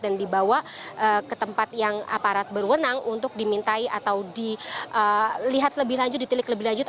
dan dibawa ke tempat yang aparat berwenang untuk dimintai atau dilihat lebih lanjut ditilik lebih lanjut